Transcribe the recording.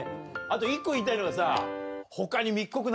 あと一個言いたいのがさ。